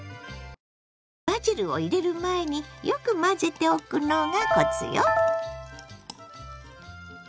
バジルを入れる前によく混ぜておくのがコツよ。